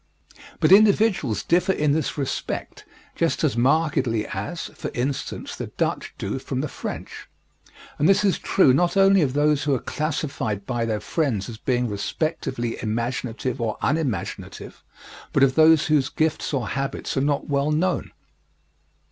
But individuals differ in this respect just as markedly as, for instance, the Dutch do from the French. And this is true not only of those who are classified by their friends as being respectively imaginative or unimaginative, but of those whose gifts or habits are not well known.